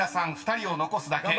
２人を残すだけ］